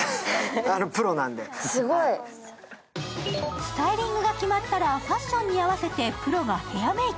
スタイリングが決まったらファッションに合わせてプロがヘアメーク。